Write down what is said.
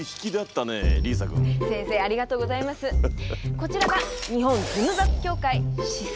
こちらが日本ズームバック協会始祖